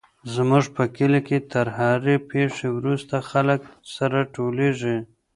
زموږ په کلي کي تر هرې پېښي وروسته خلک سره ټولېږي.